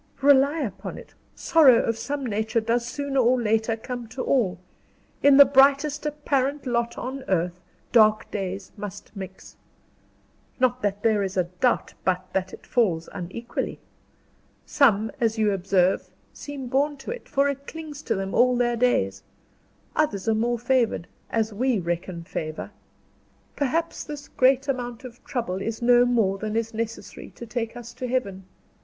"Rely upon it, sorrow of some nature does sooner or later come to all. In the brightest apparent lot on earth, dark days must mix. Not that there is a doubt but that it falls unequally. Some, as you observe, seem born to it, for it clings to them all their days; others are more favored as we reckon favor. Perhaps this great amount of trouble is no more than is necessary to take us to Heaven.